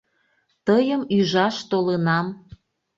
Тыйым ӱжаш толынам...